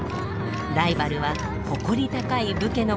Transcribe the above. ライバルは誇り高い武家の街